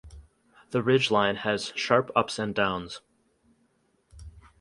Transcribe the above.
The ridge line has sharp ups and downs.